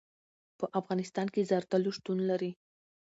په افغانستان کې زردالو شتون لري.